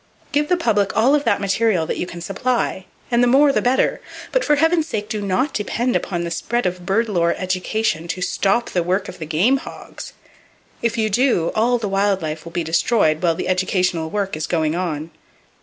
Give the public all of that material that you can supply, and the more the better, but for heaven's sake do not depend upon the spread of bird lore "education" to stop the work of the game hogs! If you do, all the wild life will be destroyed while the educational work is going on.